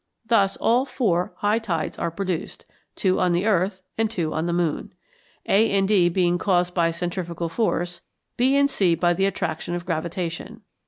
Thus all four high tides are produced, two on the earth and two on the moon, A and D being caused by centrifugal force, B and C by the attraction of gravitation.